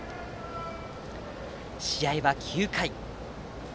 試合は９回。